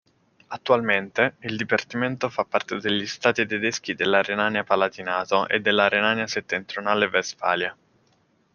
Attualmente, il dipartimento fa parte degli stati tedeschi della Renania-Palatinato e della Renania Settentrionale-Vestfalia.